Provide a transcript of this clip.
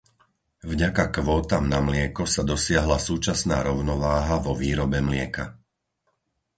Vďaka kvótam na mlieko sa dosiahla súčasná rovnováha vo výrobe mlieka.